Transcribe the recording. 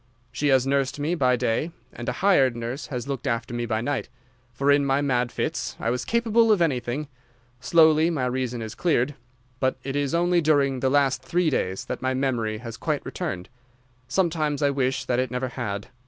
She has nursed me by day and a hired nurse has looked after me by night, for in my mad fits I was capable of anything. Slowly my reason has cleared, but it is only during the last three days that my memory has quite returned. Sometimes I wish that it never had.